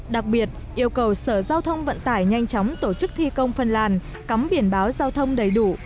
đặc biệt yêu cầu sở giao thông vận tải nhanh chóng tổ chức thi công phân làn cắm biển báo giao thông đầy đủ